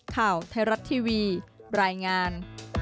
ข่าวไทยรัฐทีวีรายงาน